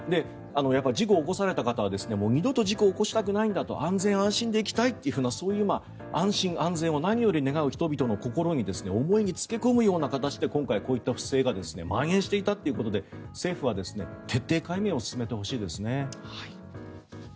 事故を起こされた方はもう二度と事故を起こしたくないんだと安全安心で行きたいと安全安心を何よりも願う人々の思いにつけ込む形で今回こういった不正がまん延していたということで政府は徹底解明を進めてほしいですね。